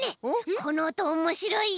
このおとおもしろいよ。